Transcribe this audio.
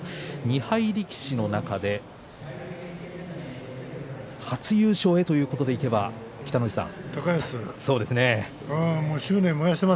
２敗力士の中で初優勝へということでいけば北の富士さん。